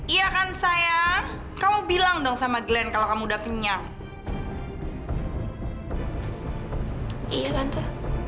iya kan sayang kamu bilang dong sama glenn kalau kamu udah kenyang iya tante